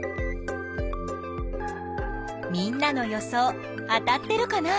みんなの予想当たってるかな？